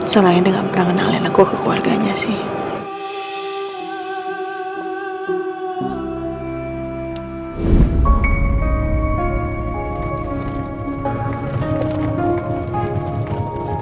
selain dengan pengenalan lelaku ke keluarganya sih